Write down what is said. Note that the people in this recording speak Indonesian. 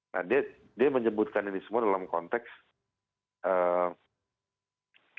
bahkan dia bilang dia cerita sama saya saya pernah bawa mobil pak